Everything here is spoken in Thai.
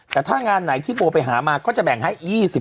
แต่ถ้างานไหนที่โบไปหามาก็จะแบ่งให้๒๐